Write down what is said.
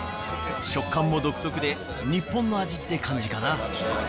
食感も独特で、日本の味って感じかな。